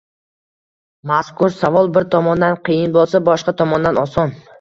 Mazkur savol bir tomondan qiyin bo‘lsa, boshqa tomondan oson.